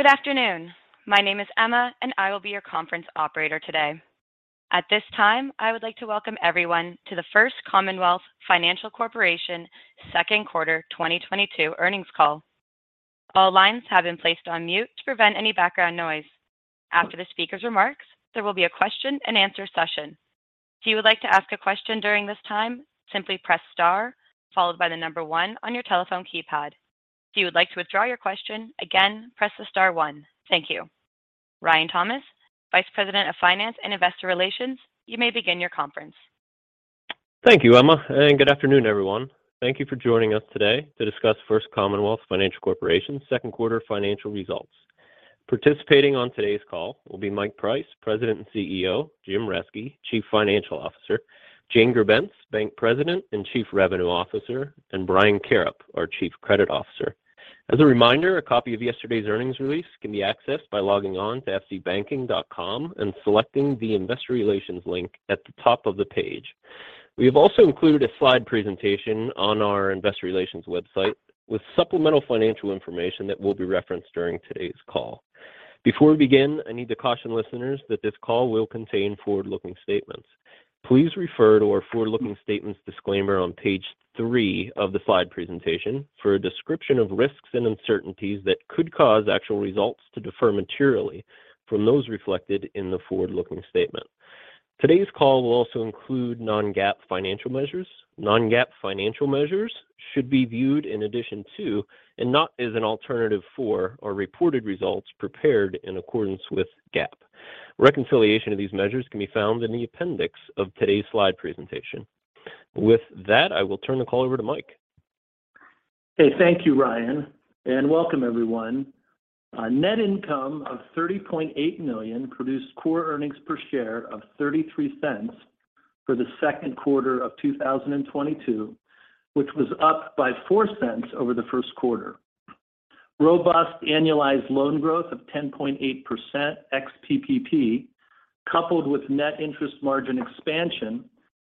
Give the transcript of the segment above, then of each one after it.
Good afternoon. My name is Emma, and I will be your conference operator today. At this time, I would like to welcome everyone to the First Commonwealth Financial Corporation Q2 2022 earnings call. All lines have been placed on mute to prevent any background noise. After the speaker's remarks, there will be a question-and-answer session. If you would like to ask a question during this time, simply press star followed by the number one on your telephone keypad. If you would like to withdraw your question, again, press the star one. Thank you. Ryan Thomas, Vice President of Finance and Investor Relations, you may begin your conference. Thank you, Emma, and good afternoon, everyone. Thank you for joining us today to discuss First Commonwealth Financial Corporation Q2 financial results. Participating on today's call will be Mike Price, President and CEO, Jim Reske, Chief Financial Officer, Jane Grebenc, Bank President and Chief Revenue Officer, and Brian Karrip, our Chief Credit Officer. As a reminder, a copy of yesterday's earnings release can be accessed by logging on to fcbanking.com and selecting the Investor Relations link at the top of the page. We have also included a slide presentation on our investor relations website with supplemental financial information that will be referenced during today's call. Before we begin, I need to caution listeners that this call will contain forward-looking statements. Please refer to our forward-looking statements disclaimer on page three of the slide presentation for a description of risks and uncertainties that could cause actual results to differ materially from those reflected in the forward-looking statement. Today's call will also include non-GAAP financial measures. Non-GAAP financial measures should be viewed in addition to and not as an alternative for our reported results prepared in accordance with GAAP. Reconciliation of these measures can be found in the appendix of today's slide presentation. With that, I will turn the call over to Mike. Okay. Thank you, Ryan, and welcome everyone. A net income of $30.8 million produced core earnings per share of $0.33 for the Q2 of 2022, which was up by $0.04 over the Q1. Robust annualized loan growth of 10.8% ex-PPP, coupled with net interest margin expansion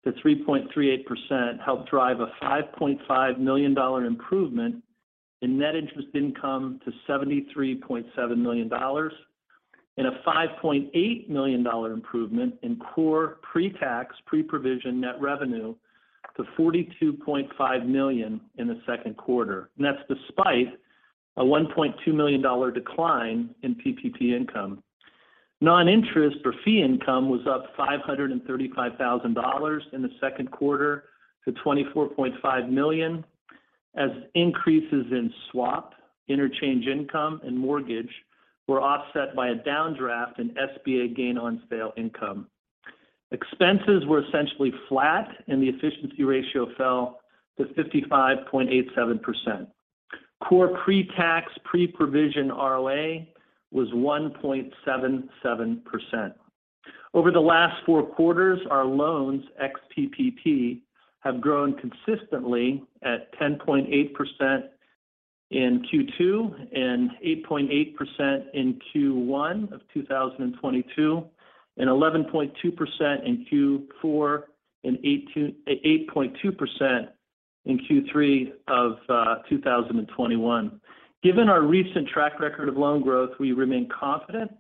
to 3.38% helped drive a $5.5 million improvement in net interest income to $73.7 million and a $5.8 million improvement in core pre-tax, pre-provision net revenue to $42.5 million in the Q2. That's despite a $1.2 million decline in PPP income. Non-interest or fee income was up $535,000 in the Q2 to $24.5 million as increases in swap, interchange income, and mortgage were offset by a downdraft in SBA gain-on-sale income. Expenses were essentially flat, and the efficiency ratio fell to 55.87%. Core pre-tax, pre-provision ROA was 1.77%. Over the last four quarters, our loans, ex-PPP, have grown consistently at 10.8% in Q2 and 8.8% in Q1 of 2022, and 11.2% in Q4 and 8.2% in Q3 of 2021. Given our recent track record of loan growth, we remain confident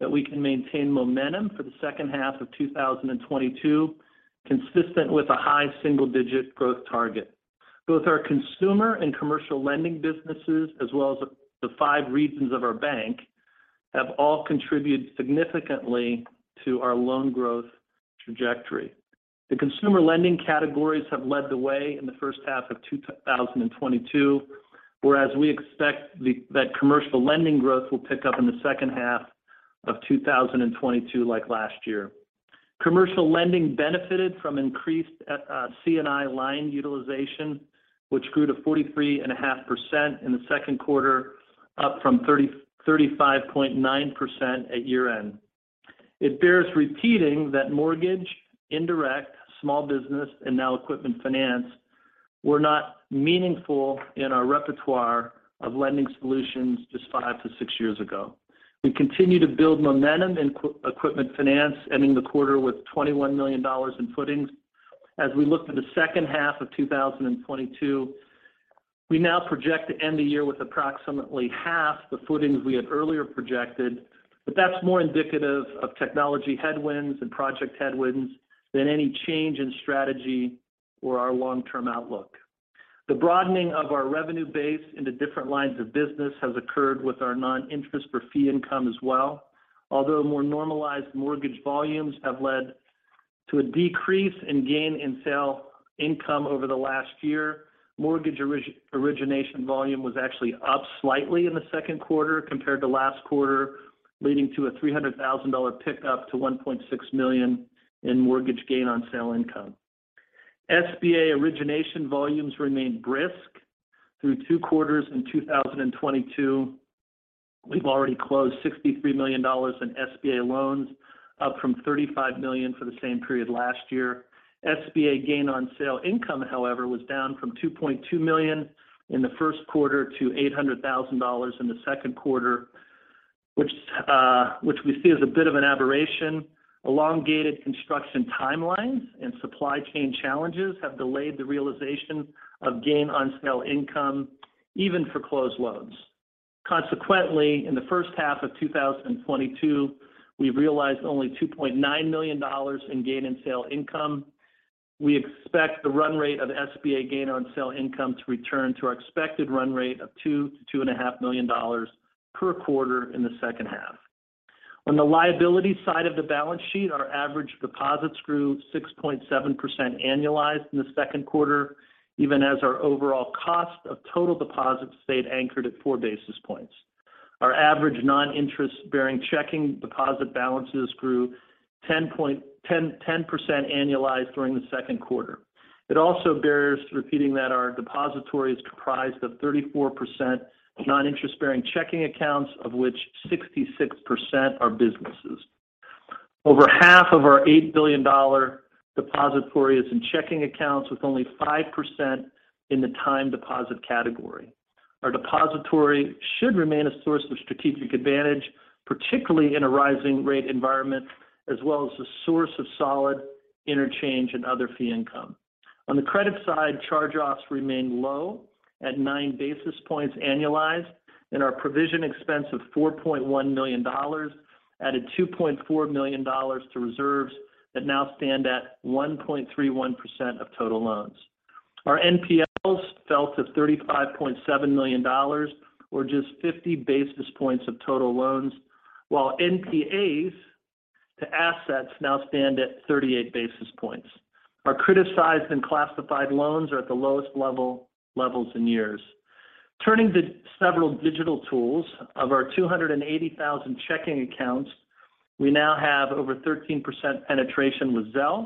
that we can maintain momentum for the H2 of 2022, consistent with a high single-digit growth target. Both our consumer and commercial lending businesses as well as the five regions of our bank have all contributed significantly to our loan growth trajectory. The consumer lending categories have led the way in the H1 of 2022, whereas we expect that commercial lending growth will pick up in the H2 of 2022 like last year. Commercial lending benefited from increased C&I line utilization, which grew to 43.5% in the Q2, up from 35.9% at year-end. It bears repeating that mortgage, indirect, small business, and now equipment finance were not meaningful in our repertoire of lending solutions just 5 to 6 years ago. We continue to build momentum in equipment finance, ending the quarter with $21 million in footings. As we look to the H2 of 2022, we now project to end the year with approximately half the footings we had earlier projected, but that's more indicative of technology headwinds and project headwinds than any change in strategy or our long-term outlook. The broadening of our revenue base into different lines of business has occurred with our noninterest fee income as well. Although more normalized mortgage volumes have led to a decrease in gain on sale income over the last year, mortgage origination volume was actually up slightly in the Q2 compared to last quarter, leading to a $300,000 pickup to $1.6 million in mortgage gain on sale income. SBA origination volumes remained brisk through two quarters in 2022. We've already closed $63 million in SBA loans, up from $35 million for the same period last year. SBA gain on sale income, however, was down from $2.2 million in the Q1 to $800,000 in the Q2, which we see as a bit of an aberration. Elongated construction timelines and supply chain challenges have delayed the realization of gain on sale income even for closed loans. Consequently, in the H1 of 2022, we've realized only $2.9 million in gain on sale income. We expect the run rate of SBA gain on sale income to return to our expected run rate of $2-$2.5 million per quarter in the H2. On the liability side of the balance sheet, our average deposits grew 6.7% annualized in the Q2, even as our overall cost of total deposits stayed anchored at 4 basis points. Our average non-interest-bearing checking deposit balances grew 10% annualized during the Q2. It also bears repeating that our depository is comprised of 34% non-interest-bearing checking accounts, of which 66% are businesses. Over half of our $8 billion depository is in checking accounts with only 5% in the time deposit category. Our depository should remain a source of strategic advantage, particularly in a rising rate environment, as well as a source of solid interchange and other fee income. On the credit side, charge-offs remain low at 9 basis points annualized and our provision expense of $4.1 million added $2.4 million to reserves that now stand at 1.31% of total loans. Our NPLs fell to $35.7 million or just 50 basis points of total loans, while NPAs to assets now stand at 38 basis points. Our criticized and classified loans are at the lowest levels in years. Turning to several digital tools. Of our 280,000 checking accounts, we now have over 13% penetration with Zelle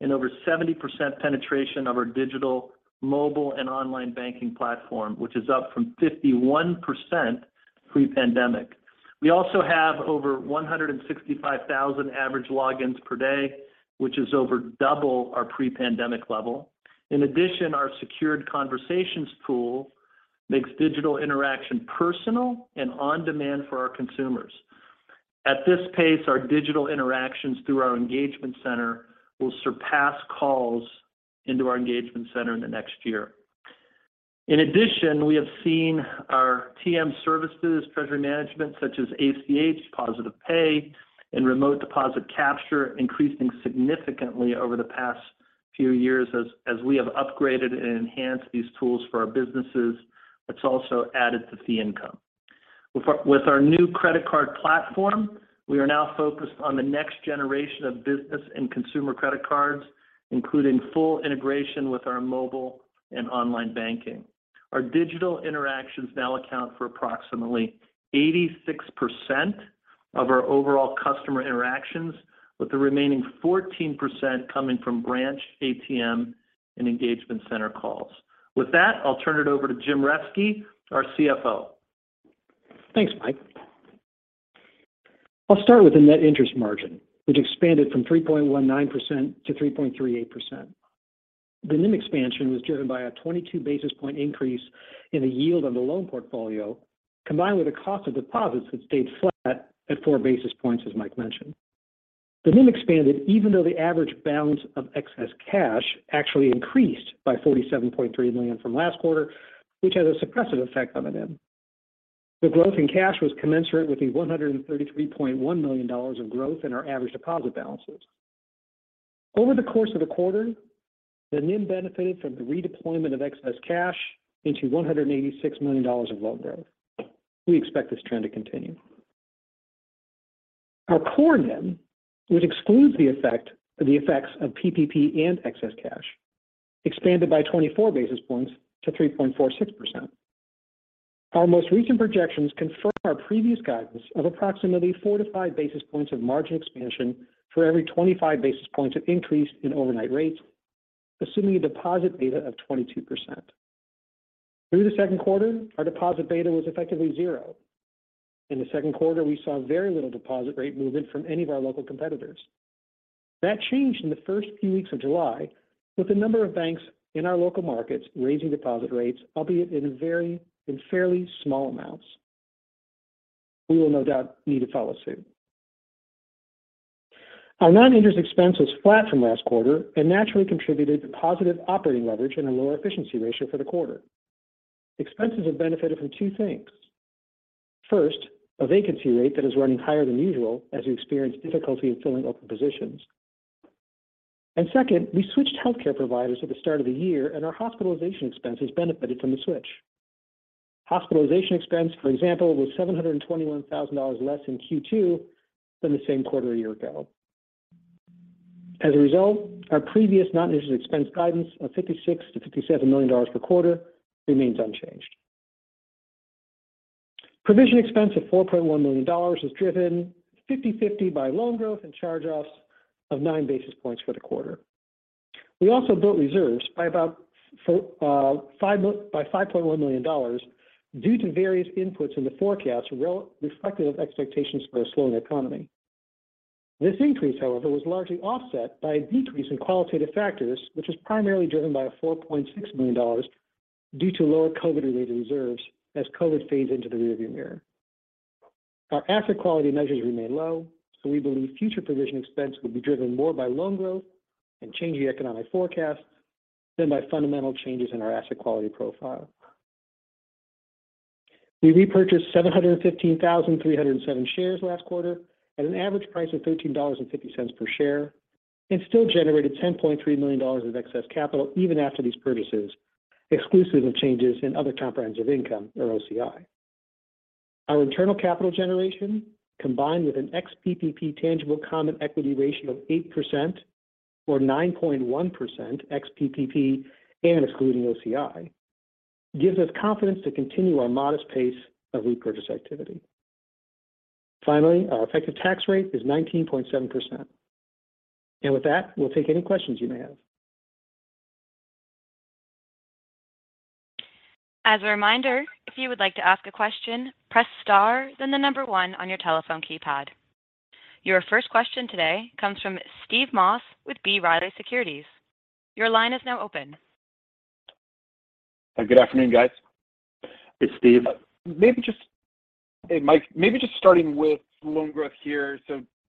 and over 70% penetration of our digital mobile and online banking platform, which is up from 51% pre-pandemic. We also have over 165,000 average logins per day, which is over double our pre-pandemic level. In addition, our secured conversations tool makes digital interaction personal and on-demand for our consumers. At this pace, our digital interactions through our engagement center will surpass calls into our engagement center in the next year. In addition, we have seen our TM services treasury management such as ACH, positive pay, and remote deposit capture increasing significantly over the past few years as we have upgraded and enhanced these tools for our businesses that's also added to fee income. With our new credit card platform, we are now focused on the next generation of business and consumer credit cards, including full integration with our mobile and online banking. Our digital interactions now account for approximately 86% of our overall customer interactions, with the remaining 14% coming from branch ATM and engagement center calls. With that, I'll turn it over to Jim Reske, our CFO. Thanks, Mike. I'll start with the net interest margin, which expanded from 3.19% to 3.38%. The NIM expansion was driven by a 22 basis point increase in the yield on the loan portfolio, combined with the cost of deposits that stayed flat at 4 basis points, as Mike mentioned. The NIM expanded even though the average balance of excess cash actually increased by $47.3 million from last quarter, which has a suppressive effect on the NIM. The growth in cash was commensurate with the $133.1 million of growth in our average deposit balances. Over the course of the quarter, the NIM benefited from the redeployment of excess cash into $186 million of loan growth. We expect this trend to continue. Our core NIM, which excludes the effects of PPP and excess cash, expanded by 24 basis points to 3.46%. Our most recent projections confirm our previous guidance of approximately 4-5 basis points of margin expansion for every 25 basis points of increase in overnight rates, assuming a deposit beta of 22%. Through the Q2, our deposit beta was effectively 0. In the Q2, we saw very little deposit rate movement from any of our local competitors. That changed in the first few weeks of July, with the number of banks in our local markets raising deposit rates, albeit in fairly small amounts. We will no doubt need to follow soon. Our non-interest expense was flat from last quarter and naturally contributed to positive operating leverage and a lower efficiency ratio for the quarter. Expenses have benefited from two things. First, a vacancy rate that is running higher than usual as we experience difficulty in filling open positions. Second, we switched healthcare providers at the start of the year, and our hospitalization expenses benefited from the switch. Hospitalization expense, for example, was $721,000 less in Q2 than the same quarter a year ago. As a result, our previous non-interest expense guidance of $56 million-$57 million per quarter remains unchanged. Provision expense of $4.1 million was driven fifty-fifty by loan growth and charge-offs of nine basis points for the quarter. We also built reserves by about for by $5.1 million due to various inputs in the forecast reflective of expectations for a slowing economy. This increase, however, was largely offset by a decrease in qualitative factors, which was primarily driven by a $4.6 million due to lower COVID-related reserves as COVID fades into the rearview mirror. Our asset quality measures remain low, so we believe future provision expense will be driven more by loan growth and changing economic forecasts than by fundamental changes in our asset quality profile. We repurchased 715,307 shares last quarter at an average price of $13.50 per share, and still generated $10.3 million of excess capital even after these purchases, exclusive of changes in other comprehensive income, or OCI. Our internal capital generation, combined with an ex-PPP tangible common equity ratio of 8% or 9.1% ex-PPP and excluding OCI, gives us confidence to continue our modest pace of repurchase activity. Finally, our effective tax rate is 19.7%. With that, we'll take any questions you may have. As a reminder, if you would like to ask a question, press star then the number 1 on your telephone keypad. Your first question today comes from Steve Moss with B. Riley Securities. Your line is now open. Good afternoon, guys. It's Steve. Hey, Mike. Maybe just starting with loan growth here.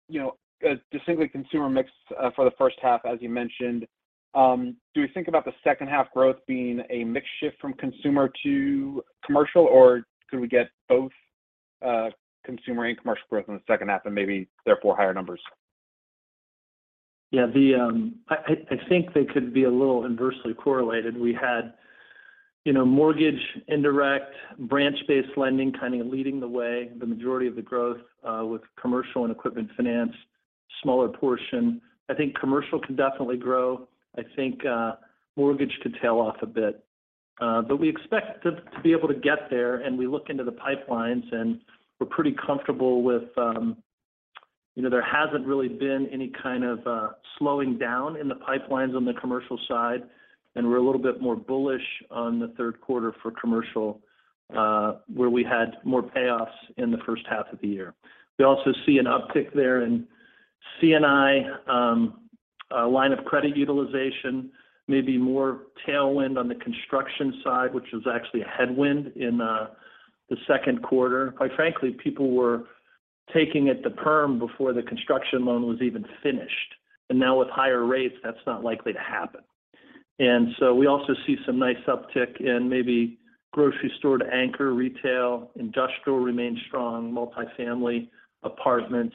You know, a distinctly consumer mix for the H1, as you mentioned. Do we think about the H2 growth being a mix shift from consumer to commercial, or could we get both consumer and commercial growth in the H2 and maybe therefore higher numbers? Yeah. I think they could be a little inversely correlated. We had, you know, mortgage, indirect branch-based lending kind of leading the way, the majority of the growth, with commercial and equipment finance, smaller portion. I think commercial can definitely grow. I think mortgage could tail off a bit. We expect to be able to get there, and we look into the pipelines, and we're pretty comfortable with, you know, there hasn't really been any kind of slowing down in the pipelines on the commercial side, and we're a little bit more bullish on the Q3 for commercial, where we had more payoffs in the H1 of the year. We also see an uptick there in C&I, line of credit utilization, maybe more tailwind on the construction side, which is actually a headwind in the Q2. Quite frankly, people were taking it to perm before the construction loan was even finished. Now with higher rates, that's not likely to happen. We also see some nice uptick in maybe grocery store to anchor retail. Industrial remains strong, multi-family apartments.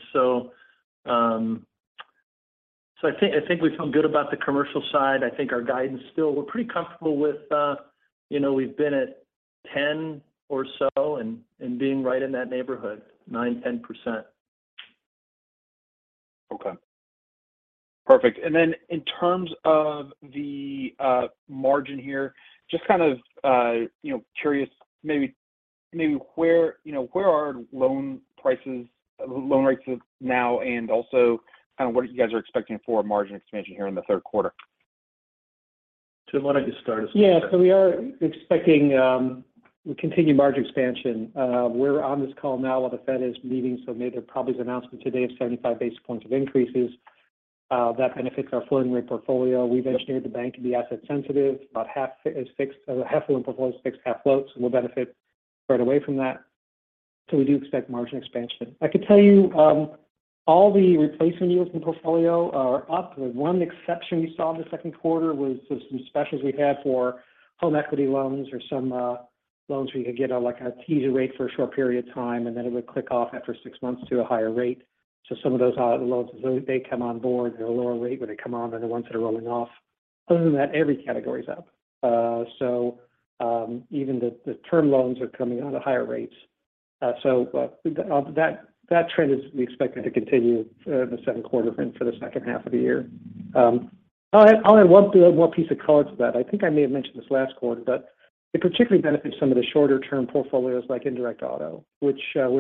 I think we feel good about the commercial side. I think our guidance still we're pretty comfortable with, you know, we've been at 10 or so and being right in that neighborhood, 9%-10%. Okay. Perfect. In terms of the margin here, just kind of you know, curious maybe where you know, where are loan rates now and also kind of what you guys are expecting for margin expansion here in the Q3. Jim, why don't you start us? Yeah. We are expecting continued margin expansion. We're on this call now while the Fed is meeting, so maybe they'll probably announce today 75 basis points of increases. That benefits our floating rate portfolio. We've engineered the bank to be asset sensitive. About half is fixed, half the loan portfolio is fixed, half floats, so we'll benefit right away from that. We do expect margin expansion. I could tell you all the repricing yields in the portfolio are up. The one exception we saw in the Q2 was just some specials we had for home equity loans or some loans where you could get a, like a teaser rate for a short period of time, and then it would click off after 6 months to a higher rate. Some of those loans come on board at a lower rate when they come on. They're the ones that are rolling off. Other than that, every category is up. Even the term loans are coming out at higher rates. That trend we expect it to continue in the Q2 and for the H2 of the year. I'll add one more piece of color to that. I think I may have mentioned this last quarter, but it particularly benefits some of the shorter-term portfolios like indirect auto, which only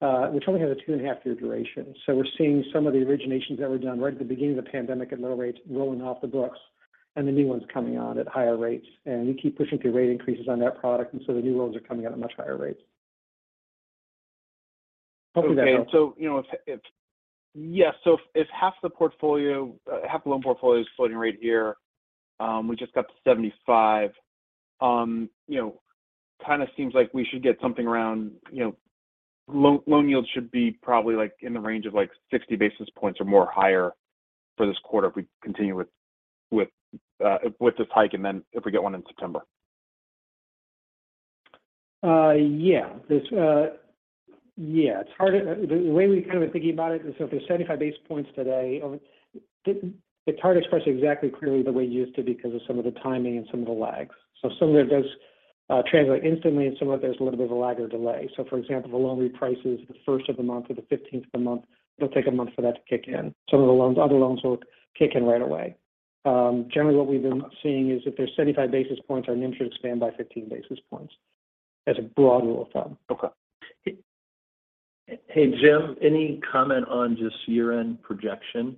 has a two-and-a-half year duration. We're seeing some of the originations that were done right at the beginning of the pandemic at low rates rolling off the books and the new ones coming on at higher rates. We keep pushing through rate increases on that product, and so the new loans are coming out at much higher rates. Hopefully that helps. If half the portfolio, half the loan portfolio is floating rate yeah, we just got to 75, you know, kind of seems like we should get something around, you know, loan yields should be probably like in the range of like 60 basis points or more higher for this quarter if we continue with this hike and then if we get one in September. The way we're kind of thinking about it is if there's 75 basis points today, it's hard to express exactly clearly the way it used to because of some of the timing and some of the lags. Some of it does translate instantly, and some of it there's a little bit of a lag or delay. For example, the loan reprices the first of the month or the fifteenth of the month. It'll take a month for that to kick in. Some of the loans, other loans will kick in right away. Generally what we've been seeing is if there's 75 basis points, our net interest margin expands by 15 basis points as a broad rule of thumb. Okay. Hey, Jim, any comment on just year-end projection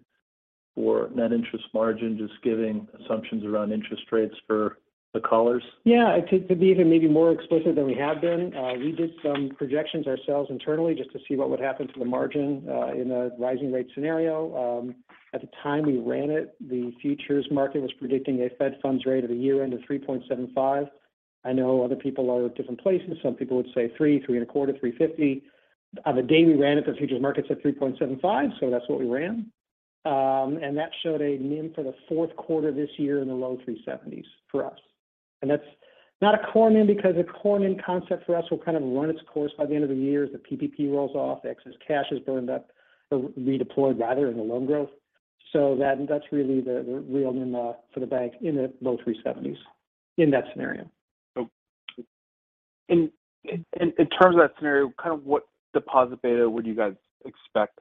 for net interest margin, just giving assumptions around interest rates for the callers? Yeah. I think to be even maybe more explicit than we have been, we did some projections ourselves internally just to see what would happen to the margin in a rising rate scenario. At the time we ran it, the futures market was predicting a Fed funds rate of 3.75 at year-end. I know other people are at different places. Some people would say 3.25, 3.50. On the day we ran it, the futures market said 3.75, so that's what we ran. That showed a NIM for the Q4 this year in the low 3.70s% for us. That's not a core NIM because a core NIM concept for us will kind of run its course by the end of the year as the PPP rolls off, excess cash is burned up or redeployed rather into loan growth. That's really the real NIM for the bank in the low 370s in that scenario. In terms of that scenario, kind of what deposit beta would you guys expect?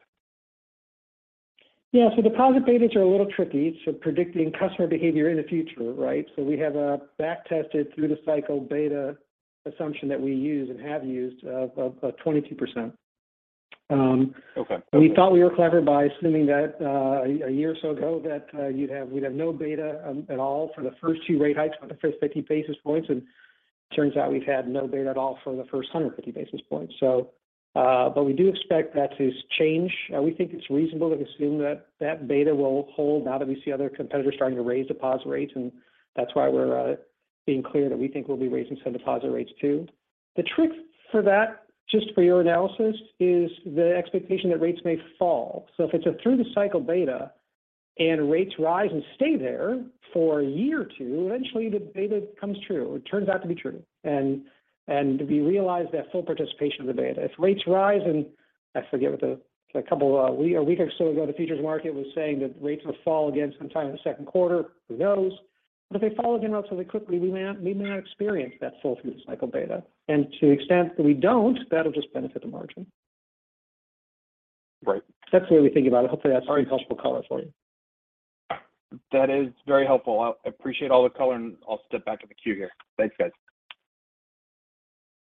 Yeah. Deposit betas are a little tricky. Predicting customer behavior in the future, right? We have back-tested through the cycle beta assumption that we use and have used of 22%. Okay. We thought we were clever by assuming that a year or so ago that we'd have no beta at all for the first two rate hikes for the first 50 basis points, and it turns out we've had no beta at all for the first 150 basis points. But we do expect that to change. We think it's reasonable to assume that that beta will hold now that we see other competitors starting to raise deposit rates, and that's why we're being clear that we think we'll be raising some deposit rates too. The trick for that, just for your analysis, is the expectation that rates may fall. If it's a through the cycle beta and rates rise and stay there for a year or two, eventually the beta comes true. It turns out to be true. We realize that full participation of the beta. If rates rise and I forget what the a couple of weeks or so ago, the futures market was saying that rates will fall again sometime in the Q2. Who knows? If they fall again not so quickly, we may not experience that full through the cycle beta. To the extent that we don't, that'll just benefit the margin. Right. That's the way we think about it. Hopefully, that's pretty helpful color for you. That is very helpful. I appreciate all the color, and I'll step back in the queue here. Thanks, guys.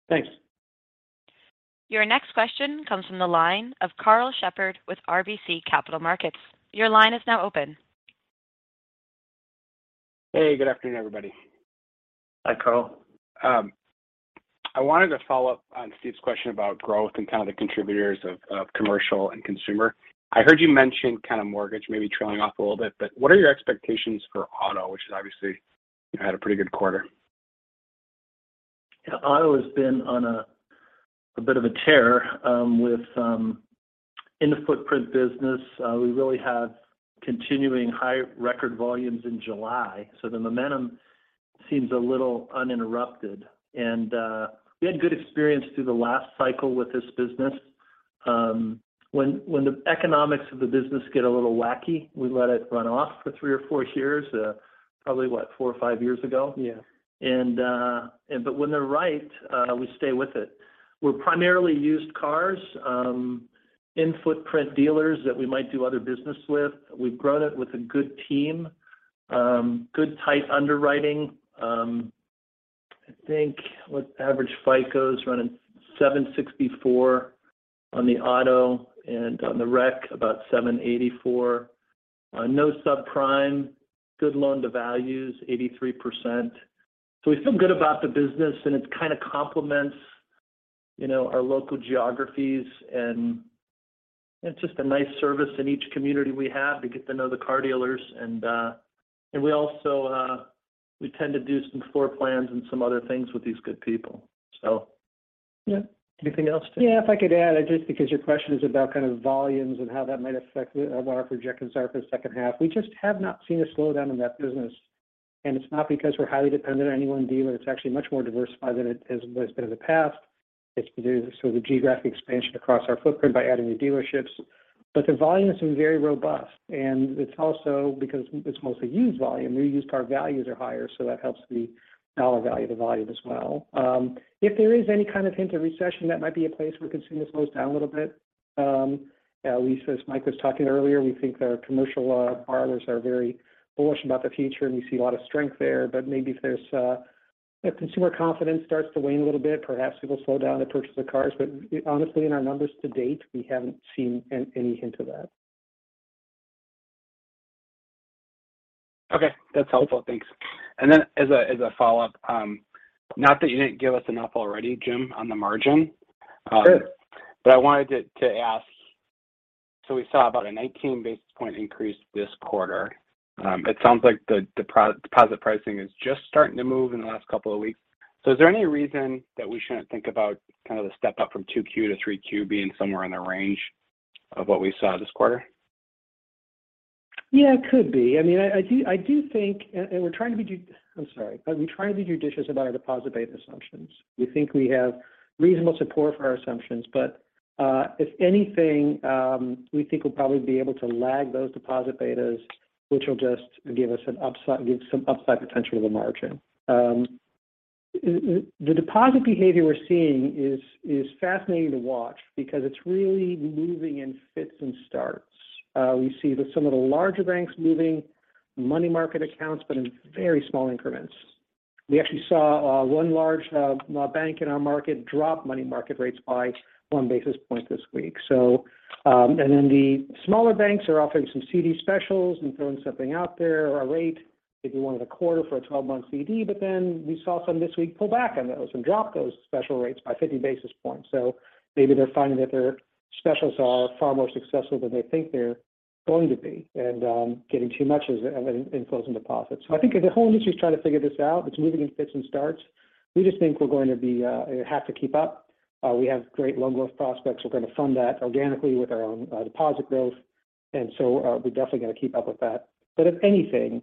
Thanks. Your next question comes from the line of Karl Shepard with RBC Capital Markets. Your line is now open. Hey, good afternoon, everybody. Hi, Karl. I wanted to follow up on Steve's question about growth and kind of the contributors of commercial and consumer. I heard you mention kind of mortgage maybe trailing off a little bit, but what are your expectations for auto, which is obviously had a pretty good quarter? Yeah. been on a bit of a tear with in the footprint business. We really have continuing high record volumes in July, so the momentum seems a little uninterrupted. We had good experience through the last cycle with this business. When the economics of the business get a little wacky, we let it run off for three or four years. Probably what? four or five years ago. Yeah. But when they're right, we stay with it. We're primarily used cars, in-footprint dealers that we might do other business with. We've grown it with a good team, good tight underwriting. I think what the average FICO is running 764 on the auto and on the rec about 784. No subprime. Good loan to values, 83%. We feel good about the business, and it kind of complements, you know, our local geographies, and it's just a nice service in each community we have. We get to know the car dealers and we also tend to do some floor plans and some other things with these good people. Yeah. Anything else? Yeah. If I could add just because your question is about kind of volumes and how that might affect our projections for the H2. We just have not seen a slowdown in that business, and it's not because we're highly dependent on any one dealer. It's actually much more diversified than it has been in the past. It's due to the geographic expansion across our footprint by adding new dealerships. The volume has been very robust, and it's also because it's mostly used volume. We use car values are higher, so that helps the dollar value of the volume as well. If there is any kind of hint of recession, that might be a place where consumer slows down a little bit, at least as Mike was talking earlier. We think our commercial borrowers are very bullish about the future, and we see a lot of strength there. Maybe if consumer confidence starts to wane a little bit, perhaps it'll slow down the purchase of cars. Honestly, in our numbers to date, we haven't seen any hint of that. Okay. That's helpful. Thanks. As a follow-up, not that you didn't give us enough already, Jim, on the margin. Sure. I wanted to ask. We saw about a 19 basis point increase this quarter. It sounds like the deposit pricing is just starting to move in the last couple of weeks. Is there any reason that we shouldn't think about kind of the step up from 2Q to 3Q being somewhere in the range of what we saw this quarter? Yeah, it could be. I mean, I do think we're trying to be judicious about our deposit beta assumptions. I'm sorry, but we try to be judicious about our deposit beta assumptions. We think we have reasonable support for our assumptions. If anything, we think we'll probably be able to lag those deposit betas, which will just give some upside potential to the margin. The deposit behavior we're seeing is fascinating to watch because it's really moving in fits and starts. We see that some of the larger banks moving money market accounts, but in very small increments. We actually saw one large bank in our market drop money market rates by one basis point this week. The smaller banks are offering some CD specials and throwing something out there or a rate, maybe 1.25 for a 12-month CD. We saw some this week pull back on those and drop those special rates by 50 basis points. Maybe they're finding that their specials are far more successful than they think they're going to be and getting too much in inflows and deposits. I think the whole industry is trying to figure this out. It's moving in fits and starts. We just think we're going to have to keep up. We have great loan growth prospects. We're gonna fund that organically with our own deposit growth. We're definitely gonna keep up with that. If anything,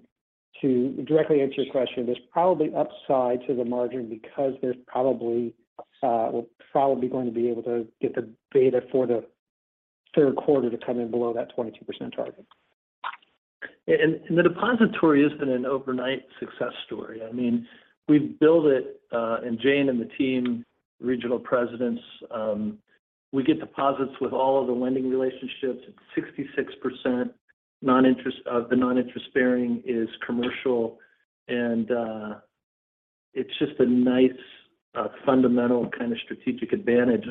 to directly answer your question, there's probably upside to the margin because we're probably going to be able to get the data for the Q3 to come in below that 22% target. The depository has been an overnight success story. I mean, we've built it, and Jane and the team, regional presidents, we get deposits with all of the lending relationships. 66% of the noninterest-bearing is commercial. It's just a nice fundamental kind of strategic advantage.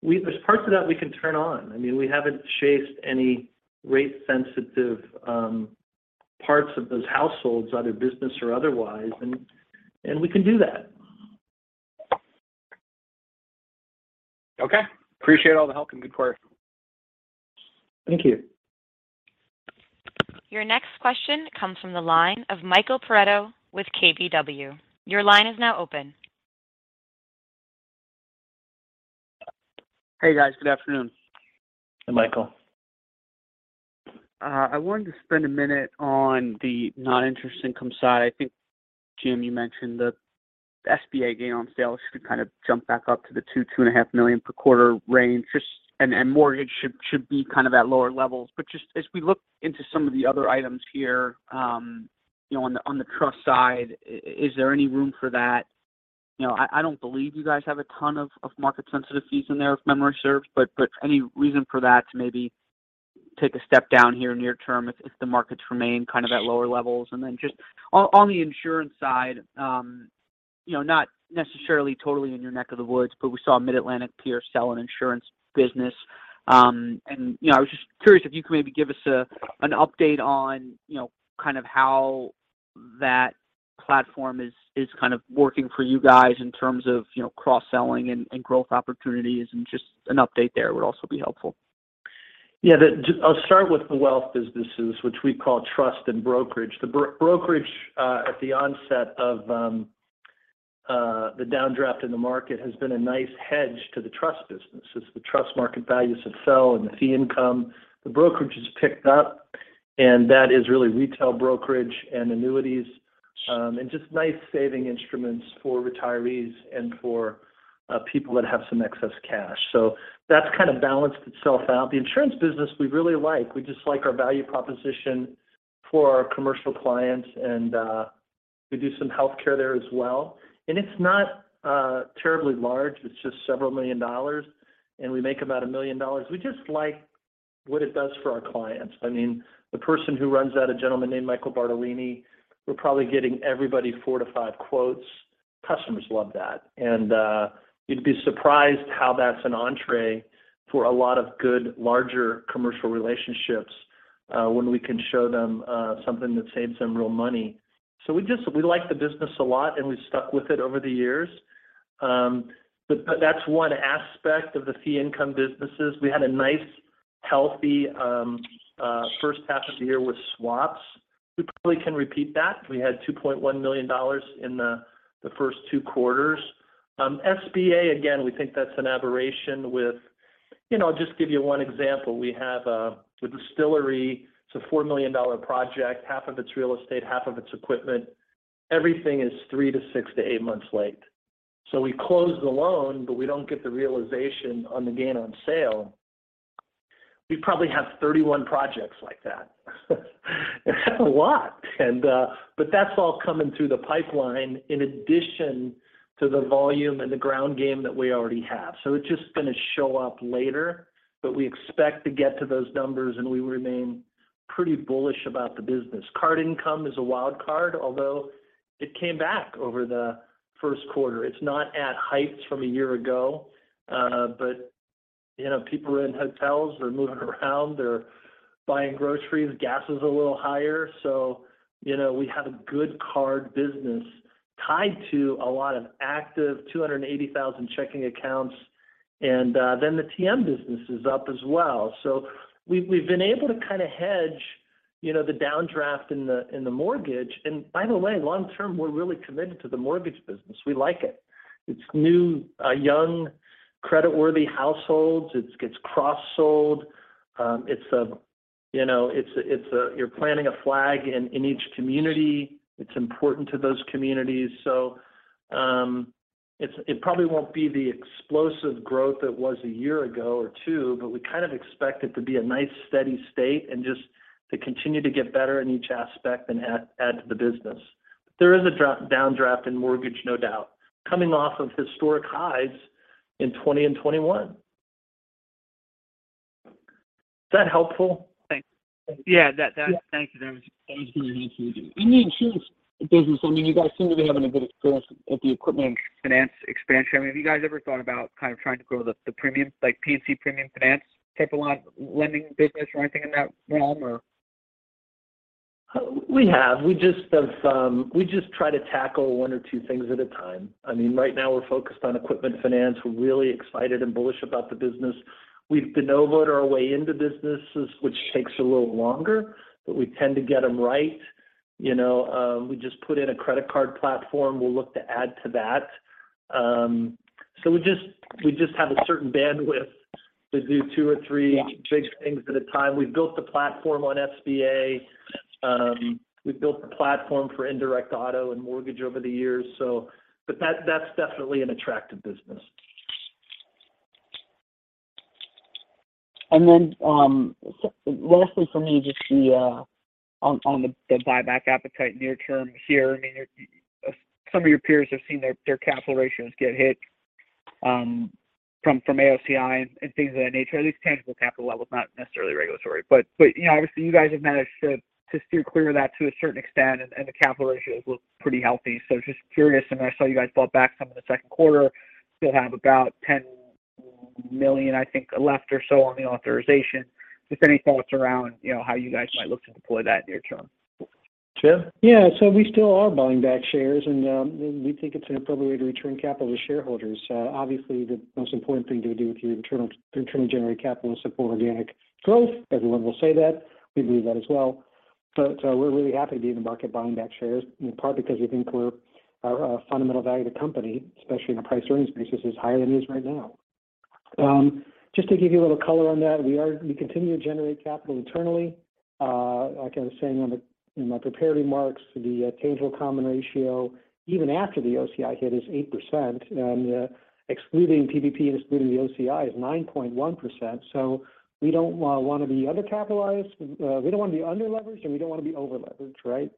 There's parts of that we can turn on. I mean, we haven't chased any rate-sensitive parts of those households, either business or otherwise, and we can do that. Okay. Appreciate all the help and good quarter. Thank you. Your next question comes from the line of Michael Perito with KBW. Your line is now open. Hey, guys. Good afternoon. Hey, Michael. I wanted to spend a minute on the non-interest income side. I think, Jim, you mentioned the SBA gain on sale should kind of jump back up to the $2-$2.5 million per quarter range. Mortgage should be kind of at lower levels. Just as we look into some of the other items here, you know, on the trust side, is there any room for that? You know, I don't believe you guys have a ton of market sensitivities in there, if memory serves. Any reason for that to maybe take a step down here near term if the markets remain kind of at lower levels? Then just on the insurance side, you know, not necessarily totally in your neck of the woods, but we saw Mid-Atlantic peer sell an insurance business. You know, I was just curious if you could maybe give us an update on, you know, kind of how that platform is kind of working for you guys in terms of, you know, cross-selling and growth opportunities, and just an update there would also be helpful. Yeah. I'll start with the wealth businesses, which we call trust and brokerage. The brokerage at the onset of the downdraft in the market has been a nice hedge to the trust business. As the trust market values have fell and the fee income, the brokerage has picked up, and that is really retail brokerage and annuities, and just nice saving instruments for retirees and for people that have some excess cash. That's kind of balanced itself out. The insurance business we really like. We just like our value proposition for our commercial clients and we do some healthcare there as well. It's not terribly large. It's just several million dollars, and we make about $1 million. We just like what it does for our clients. I mean, the person who runs that, a gentleman named Michael Bartolini, we're probably getting everybody four-five quotes. Customers love that. You'd be surprised how that's an entree for a lot of good larger commercial relationships, when we can show them, something that saves them real money. We like the business a lot, and we've stuck with it over the years. That's one aspect of the fee income businesses. We had a nice healthy H1 of the year with swaps. We probably can repeat that. We had $2.1 million in the first two quarters. SBA, again, we think that's an aberration with, you know, I'll just give you one example. We have a distillery. It's a $4 million project. Half of it's real estate, half of it's equipment. Everything is three to six to eight months late. We closed the loan, but we don't get the realization on the gain on sale. We probably have 31 projects like that. That's a lot. But that's all coming through the pipeline in addition to the volume and the ground game that we already have. It's just gonna show up later, but we expect to get to those numbers, and we remain pretty bullish about the business. Card income is a wild card, although it came back over the Q1. It's not at heights from a year ago. But, you know, people are in hotels. They're moving around. They're buying groceries. Gas is a little higher. So, you know, we have a good card business tied to a lot of active 280,000 checking accounts. The TM business is up as well. We've been able to kind of hedge, you know, the downdraft in the mortgage. By the way, long term, we're really committed to the mortgage business. We like it. It's new, young creditworthy households. It gets cross-sold. It's a, you know, it's a. You're planting a flag in each community. It's important to those communities. It probably won't be the explosive growth it was a year ago or two, but we kind of expect it to be a nice steady state and just to continue to get better in each aspect and add to the business. There is a downdraft in mortgage, no doubt, coming off of historic highs in 2020 and 2021. Is that helpful? Yeah. Thank you. That was very helpful. In the insurance business, I mean, you guys seem to be having a good experience with the equipment finance expansion. I mean, have you guys ever thought about kind of trying to grow the premium, like, PNC premium finance type of lending business or anything in that realm? We just try to tackle one or two things at a time. I mean, right now we're focused on equipment finance. We're really excited and bullish about the business. We've de novo-ed our way into businesses, which takes a little longer, but we tend to get them right. You know, we just put in a credit card platform. We'll look to add to that. We just have a certain bandwidth to do two or three. Yeah Big things at a time. We've built the platform on SBA. We've built the platform for indirect auto and mortgage over the years, so. That, that's definitely an attractive business. Lastly for me, just on the buyback appetite near term here. I mean, some of your peers have seen their capital ratios get hit from AOCI and things of that nature. At least tangible capital levels, not necessarily regulatory. You know, obviously you guys have managed to steer clear of that to a certain extent and the capital ratios look pretty healthy. I mean, I saw you guys bought back some in the Q2. Still have about $10 million, I think, left or so on the authorization. Just any thoughts around, you know, how you guys might look to deploy that near term? Jim? Yeah. We still are buying back shares and we think it's an appropriate way to return capital to shareholders. Obviously, the most important thing to do is to internally generate capital to support organic growth. Everyone will say that. We believe that as well. We're really happy to be in the market buying back shares, in part because we think our fundamental value of the company, especially on a price earnings basis, is higher than it is right now. Just to give you a little color on that. We continue to generate capital internally. Like I was saying in my prepared remarks, the tangible common ratio even after the OCI hit is 8%. Excluding PPP and excluding the OCI is 9.1%. We don't wanna be undercapitalized. We don't want to be underleveraged, and we don't want to be overleveraged, right?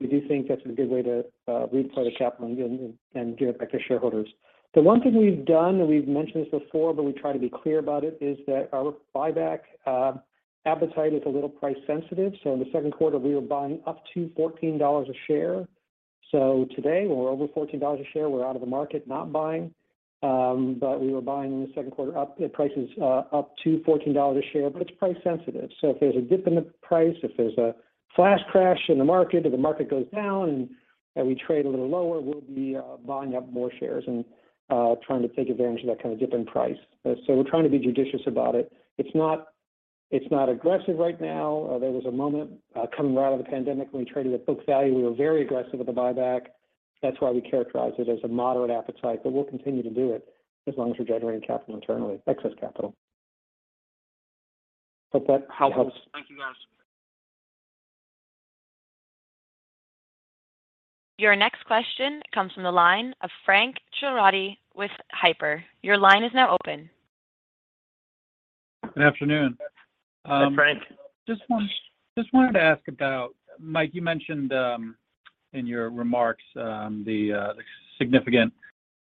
We do think that's a good way to redeploy the capital and give it back to shareholders. The one thing we've done, and we've mentioned this before, but we try to be clear about it, is that our buyback appetite is a little price sensitive. In the Q2, we were buying up to $14 a share. Today we're over $14 a share. We're out of the market not buying. We were buying in the Q2 up to $14 a share. It's price sensitive, so if there's a dip in the price, if there's a flash crash in the market or the market goes down and we trade a little lower, we'll be buying up more shares and trying to take advantage of that kind of dip in price. We're trying to be judicious about it. It's not aggressive right now. There was a moment coming out of the pandemic when we traded at book value. We were very aggressive with the buyback. That's why we characterize it as a moderate appetite. We'll continue to do it as long as we're generating capital internally, excess capital. Hope that helps. Thank you, guys. Your next question comes from the line of Frank Schiraldi with Piper Sandler. Your line is now open. Good afternoon. Hi, Frank. Just wanted to ask about, Mike, you mentioned in your remarks the significant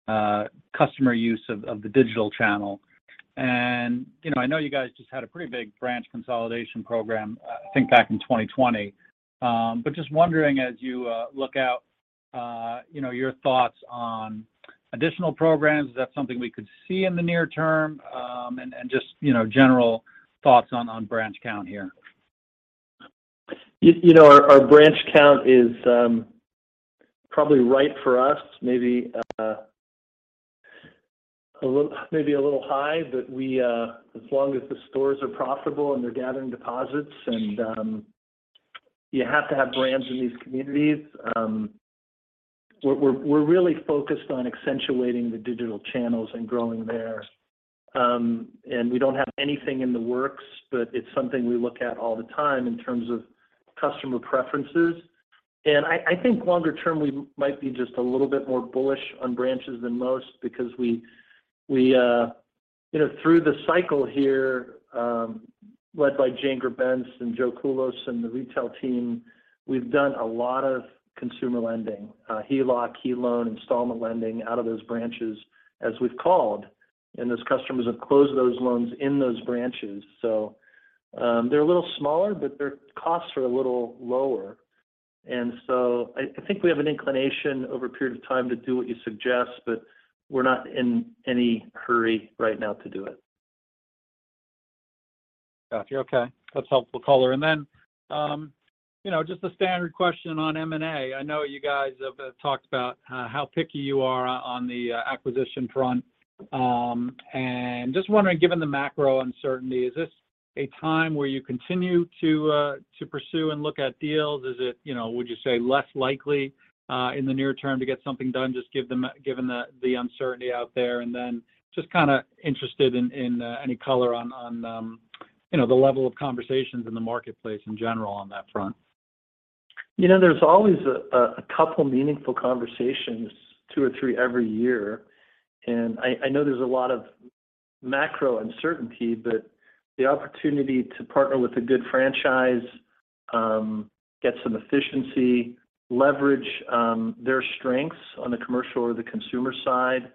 customer use of the digital channel. You know, I know you guys just had a pretty big branch consolidation program, I think back in 2020. Just wondering as you look out, you know, your thoughts on additional programs. Is that something we could see in the near term? Just, you know, general thoughts on branch count here. You know, our branch count is probably right for us. Maybe a little high. But as long as the stores are profitable and they're gathering deposits and you have to have branches in these communities. We're really focused on accentuating the digital channels and growing there. We don't have anything in the works, but it's something we look at all the time in terms of customer preferences. I think longer term we might be just a little bit more bullish on branches than most because we you know, through the cycle here, led by Jane Grebenc and Joe Culos and the retail team, we've done a lot of consumer lending. HELOC, HELoan, installment lending out of those branches as we've called. Those customers have closed those loans in those branches. They're a little smaller, but their costs are a little lower. I think we have an inclination over a period of time to do what you suggest, but we're not in any hurry right now to do it. Got you. Okay. That's helpful color. You know, just a standard question on M&A. I know you guys have talked about how picky you are on the acquisition front. Just wondering, given the macro uncertainty, is this a time where you continue to pursue and look at deals? You know, would you say less likely in the near term to get something done given the uncertainty out there? Just kind of interested in any color on you know, the level of conversations in the marketplace in general on that front. You know, there's always a couple meaningful conversations, two or three every year. I know there's a lot of macro uncertainty. The opportunity to partner with a good franchise, get some efficiency, leverage, their strengths on the commercial or the consumer side,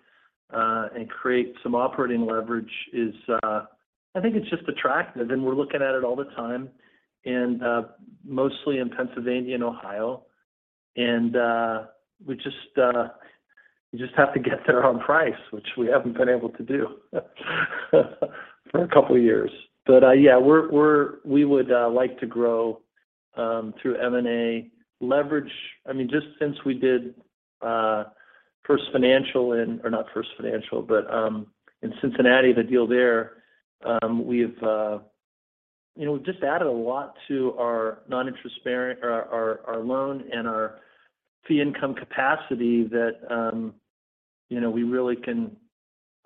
and create some operating leverage is, I think it's just attractive, and we're looking at it all the time. Mostly in Pennsylvania and Ohio. We just have to get there on price, which we haven't been able to do for a couple years. Yeah, we would like to grow through M&A leverage. I mean, just since we did Foundation Bank or not Foundation Bank, but in Cincinnati, the deal there, we've you know, just added a lot to our non-interest bearing or our loan and our fee income capacity that you know, we really can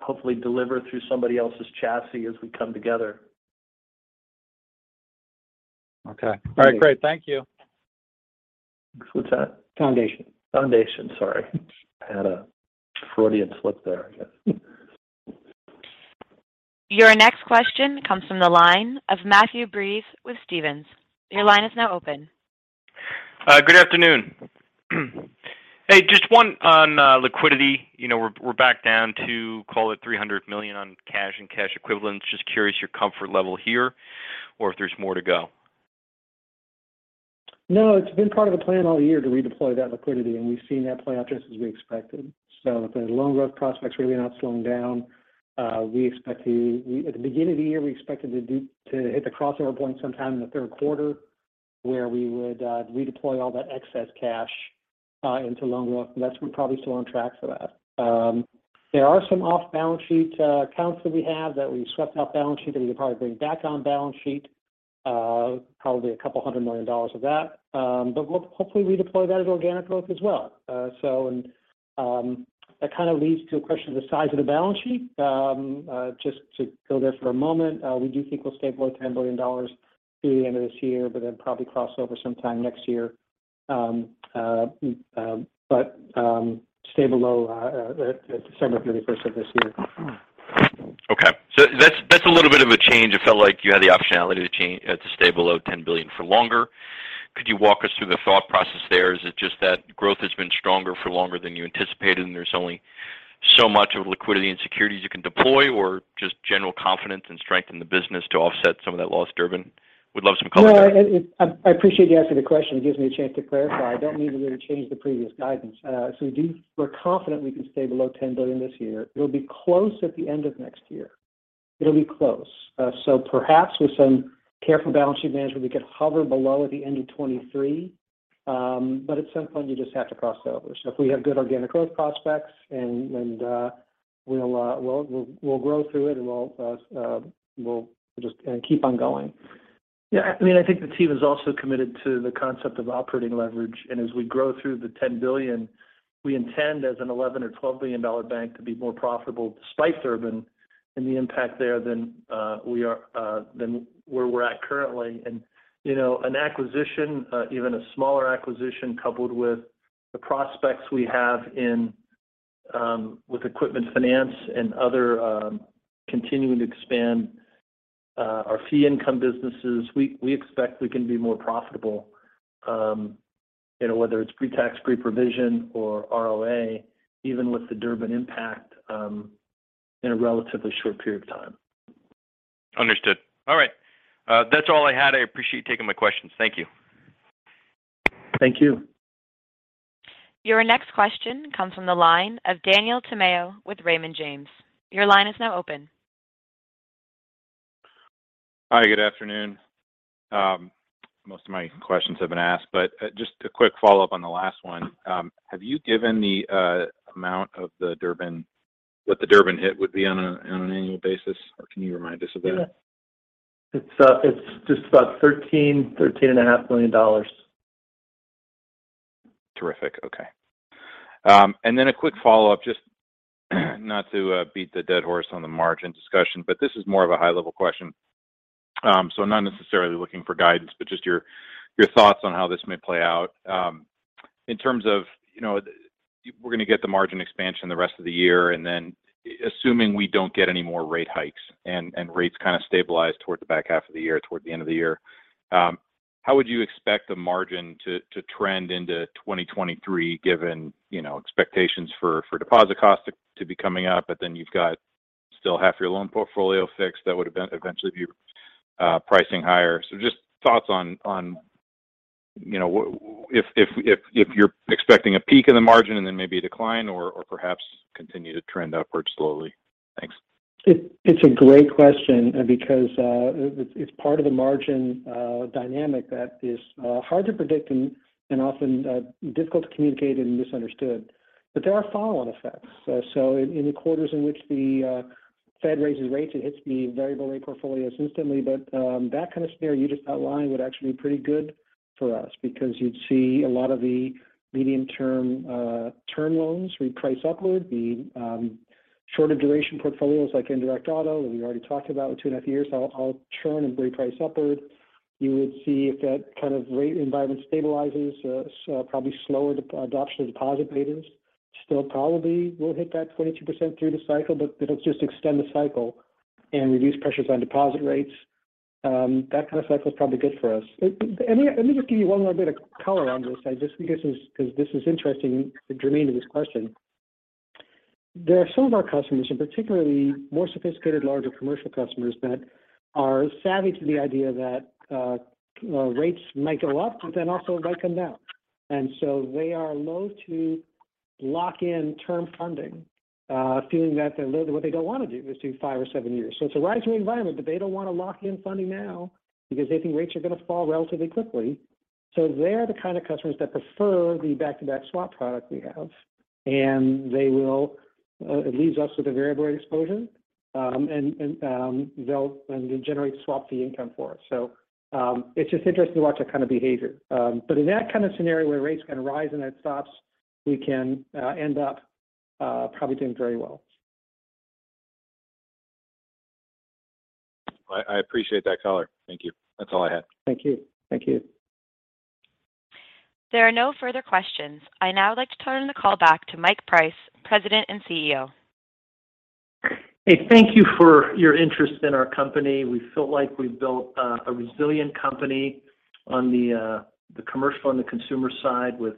hopefully deliver through somebody else's chassis as we come together. Okay. All right. Great. Thank you. Thanks, what's that? Foundation. Sorry. I had a Freudian slip there, I guess. Your next question comes from the line of Matthew Breese with Stephens. Your line is now open. Good afternoon. Hey, just one on liquidity. You know, we're back down to call it $300 million on cash and cash equivalents. Just curious your comfort level here or if there's more to go? No, it's been part of the plan all year to redeploy that liquidity, and we've seen that play out just as we expected. The loan growth prospects really are not slowing down. At the beginning of the year, we expected to hit the crossover point sometime in the Q3 where we would redeploy all that excess cash into loan growth. We're probably still on track for that. There are some off-balance sheet accounts that we have that we've swept off-balance sheet that we could probably bring back on balance sheet. Probably $200 million of that. But we'll hopefully redeploy that as organic growth as well. That kind of leads to a question of the size of the balance sheet. Just to go there for a moment. We do think we'll stay below $10 billion through the end of this year, but then probably cross over sometime next year. Stay below December thirty-first of this year. Okay. That's a little bit of a change. It felt like you had the optionality to stay below 10 billion for longer. Could you walk us through the thought process there? Is it just that growth has been stronger for longer than you anticipated, and there's only so much of liquidity and securities you can deploy, or just general confidence and strength in the business to offset some of that lost Durbin? Would love some color there. No, I appreciate you asking the question. It gives me a chance to clarify. That means we're gonna change the previous guidance. We're confident we can stay below $10 billion this year. It'll be close at the end of next year. It'll be close. Perhaps with some careful balance sheet management, we could hover below at the end of 2023. At some point, you just have to cross over. If we have good organic growth prospects and we'll grow through it and we'll just keep on going. Yeah. I mean, I think the team is also committed to the concept of operating leverage. As we grow through the $10 billion, we intend as an $11-12 billion bank to be more profitable despite Durbin and the impact there than we are than where we're at currently. You know, an acquisition, even a smaller acquisition coupled with the prospects we have in with equipment finance and other continuing to expand our fee income businesses, we expect we can be more profitable, you know, whether it's pre-tax, pre-provision or ROA, even with the Durbin impact, in a relatively short period of time. Understood. All right. That's all I had. I appreciate you taking my questions. Thank you. Thank you. Your next question comes from the line of Daniel Tamayo with Raymond James. Your line is now open. Hi, good afternoon. Most of my questions have been asked, but just a quick follow-up on the last one. Have you given what the Durbin hit would be on an annual basis? Or can you remind us of that? Yeah. It's just about $13 million-13.5 million. Terrific. Okay. A quick follow-up, just not to beat the dead horse on the margin discussion, but this is more of a high-level question. Not necessarily looking for guidance, but just your thoughts on how this may play out. In terms of, you know, we're gonna get the margin expansion the rest of the year, and then assuming we don't get any more rate hikes and rates kind of stabilize toward the back half of the year, toward the end of the year, how would you expect the margin to trend into 2023 given, you know, expectations for deposit costs to be coming up? You've got still half your loan portfolio fixed that would eventually be pricing higher. Just thoughts on you know if you're expecting a peak in the margin and then maybe a decline or perhaps continue to trend upwards slowly. Thanks. It's a great question because it's part of the margin dynamic that is hard to predict and often difficult to communicate and misunderstood. There are follow-on effects. In the quarters in which the Fed raises rates, it hits the variable rate portfolios instantly. That kind of scenario you just outlined would actually be pretty good for us because you'd see a lot of the medium-term loans reprice upward. The shorter duration portfolios like indirect auto that we already talked about with 2.5 years all churn and reprice upward. You would see if that kind of rate environment stabilizes, probably slower the adoption of deposit rates. Still probably will hit that 22% through the cycle, but it'll just extend the cycle and reduce pressures on deposit rates. That kind of cycle is probably good for us. Let me just give you one more bit of color on this. I just think this is interesting and germane to this question. There are some of our customers, and particularly more sophisticated, larger commercial customers that are savvy to the idea that rates might go up, but then also might come down. They are loath to lock in term funding, feeling that what they don't want to do is do five or seven years. It's a rising environment, but they don't want to lock in funding now because they think rates are going to fall relatively quickly. They are the kind of customers that prefer the back-to-back swap product we have. It leaves us with a variable rate exposure. It generates swap fee income for us. It's just interesting to watch that kind of behavior. In that kind of scenario where rates can rise and then it stops, we can end up probably doing very well. I appreciate that color. Thank you. That's all I had. Thank you. Thank you. There are no further questions. I'd now like to turn the call back to Mike Price, President and CEO. Hey, thank you for your interest in our company. We feel like we've built a resilient company on the commercial and the consumer side with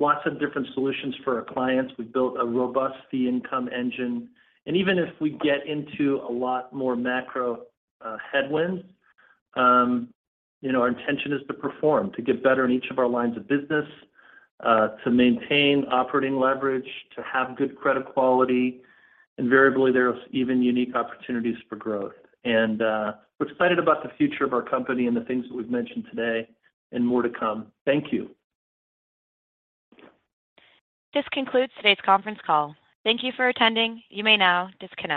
lots of different solutions for our clients. We've built a robust fee income engine. Even if we get into a lot more macro headwinds, you know, our intention is to perform, to get better in each of our lines of business, to maintain operating leverage, to have good credit quality. Invariably, there is even unique opportunities for growth. We're excited about the future of our company and the things that we've mentioned today, and more to come. Thank you. This concludes today's conference call. Thank you for attending. You may now disconnect.